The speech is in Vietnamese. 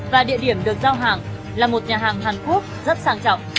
và địa điểm được giao hàng là một nhà hàng hàn quốc rất sang trọng